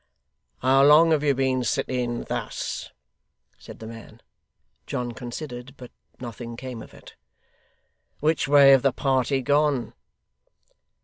'How long have you been sitting thus?' said the man. John considered, but nothing came of it. 'Which way have the party gone?